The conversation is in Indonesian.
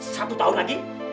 satu tahun lagi